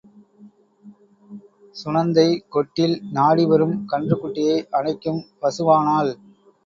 சுநந்தை கொட்டில் நாடி வரும் கன்றுக்குட்டியை அணைக்கும் பசுவானாள்.